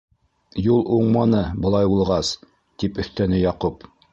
- Юл уңманы былай булғас, - тип өҫтәне Яҡуп.